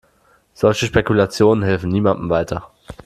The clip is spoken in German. Solche Spekulationen helfen niemandem weiter.